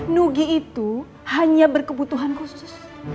nugi itu hanya berkebutuhan khusus